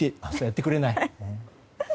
やってくれない。